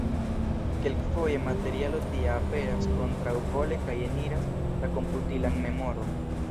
Kelkfoje materialo tia aperas kontraŭvole kaj eniras la komputilan memoron.